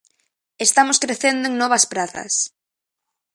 Estamos crecendo en novas prazas.